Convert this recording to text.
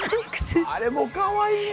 あれもうかわいいね！